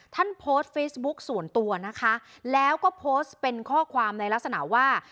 ท่านโพสต์เฟซบุ๊กส่วนตัวนะคะแล้วก็โพสต์เป็นข้อความในลักษณะว่า